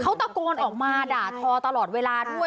เขาตะโกนออกมาด่าทอตลอดเวลาด้วย